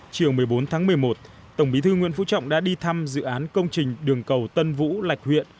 chiều một mươi bốn tháng một mươi một tổng bí thư nguyễn phú trọng đã đi thăm dự án công trình đường cầu tân vũ lạch huyện